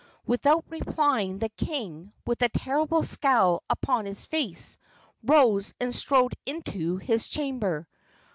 Without replying, the king, with a terrible scowl upon his face, rose and strode into his chamber.